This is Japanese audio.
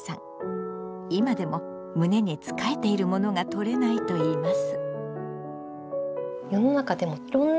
今でも胸につかえているものが取れないといいます。